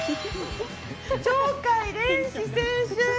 鳥海連志選手！